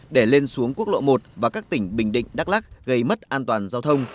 để lên xuống quốc lộ một và các tỉnh bình định đắk lắc gây mất an toàn giao thông